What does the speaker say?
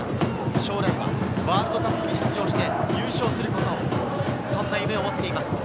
将来はワールドカップに出場して優勝すること、そんな夢を持っています。